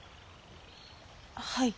はい。